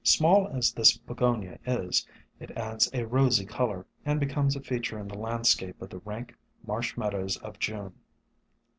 Small as this Pogonia is, it adds a rosy color, and becomes a feature in the landscape of the rank marsh meadows of June.